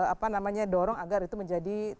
apa namanya dorong agar itu menjadi